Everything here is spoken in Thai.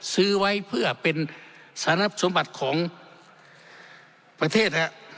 ซื้อไว้เพื่อเป็นศาสนสมบัติของประเทศนั้น